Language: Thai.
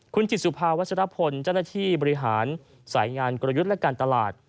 คุณจิตสุภาวัชรพลเจ้าหน้าที่บริหารสายงานกลยุทธ์และการตลาด